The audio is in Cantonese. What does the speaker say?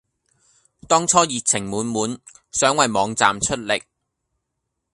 當初熱情滿滿想為網站出力